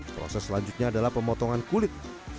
proses selanjutnya adalah pemotongan kulit